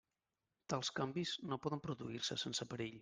Tals canvis no poden produir-se sense perill.